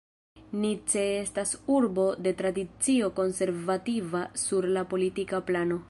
Nice estas urbo de tradicio konservativa sur la politika plano.